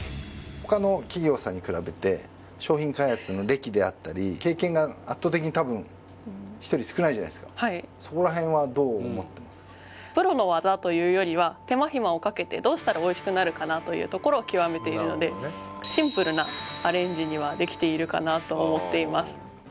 他の企業さんに比べて商品開発の歴であったり経験が圧倒的にたぶん１人少ないじゃないですかはいそこらへんはプロの技というよりは手間暇をかけてどうしたらおいしくなるかなというところを極めているのでにはできているかなとは思っています